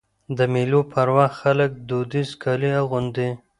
د مېلو پر وخت خلک دودیز کالي اغوندي.